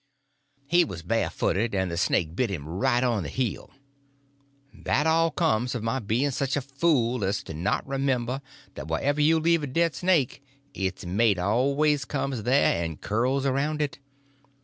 He was barefooted, and the snake bit him right on the heel. That all comes of my being such a fool as to not remember that wherever you leave a dead snake its mate always comes there and curls around it.